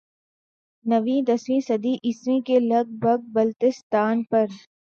نویں دسویں صدی عیسوی کے لگ بھگ بلتستان پر